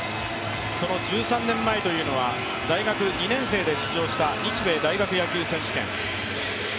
その１３年前というのは大学２年生で出場した日米大学野球選手権。